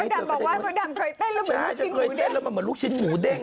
มดดำบอกว่ามดดำเคยเต้นแล้วเหมือนลุกชิ้นหมูเด้ง